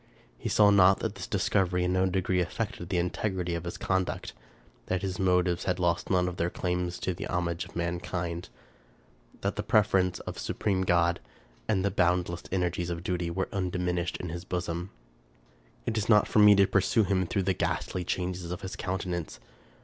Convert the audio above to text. He saw not that this discovery in no degree affected the integrity of his conduct ; that his motives had lost none of their claims to the homage of mankind ; that the prefer ence of supreme good, and the boundless energy of duty, were undiminished in his bosom. It is not for me to pursue him through the ghastly changes of his countenance.